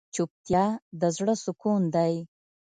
چوپتیا، د زړه سکون دی.